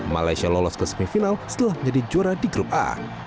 malaysia lolos ke semifinal setelah menjadi juara di grup a